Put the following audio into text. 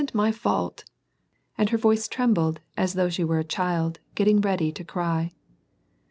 276 it isn't my fault," and her voice trembled as though she were a child, getting ready to cry.